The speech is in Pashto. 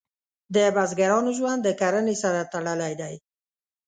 د بزګرانو ژوند د کرنې سره تړلی دی.